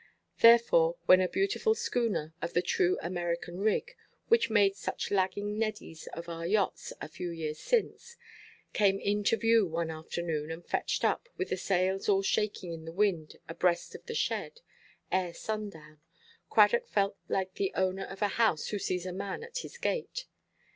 Therefore when a beautiful schooner, of the true American rig, which made such lagging neddies of our yachts a few years since, came into view one afternoon, and fetched up, with the sails all shaking in the wind, abreast of the shed, ere sun–down, Cradock felt like the owner of a house who sees a man at his gate.